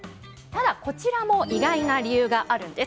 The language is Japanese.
こちらも意外な理由があるんです。